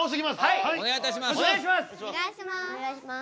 はいお願いいたします。